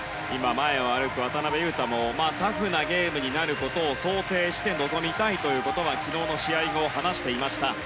前を歩く渡辺勇大もタフなゲームになることを想定して臨みたいということは昨日の試合後、話していました。